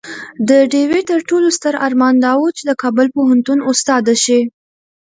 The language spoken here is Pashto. د ډيوې تر ټولو ستر ارمان دا وو چې د کابل پوهنتون استاده شي